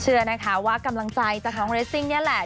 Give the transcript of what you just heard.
เชื่อนะคะว่ากำลังใจจากน้องเรสซิ่งนี่แหละ